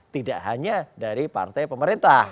tidak hanya dari partai pemerintah